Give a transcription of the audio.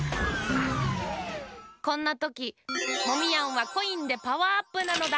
こんなときモミヤンはコインでパワーアップなのだ。